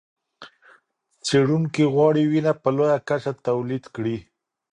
څېړونکي غواړي وینه په لویه کچه تولید کړي.